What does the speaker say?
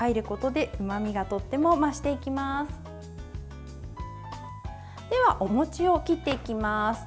では、お餅を切っていきます。